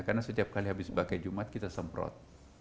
karena setiap kali habis pakai jumat kita semprot